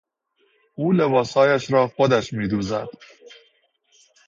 او لباسهایش را خودش میدوزد.